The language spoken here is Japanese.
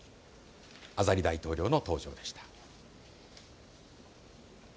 アザリ大統領の登場でした。